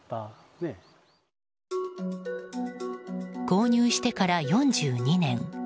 購入してから４２年。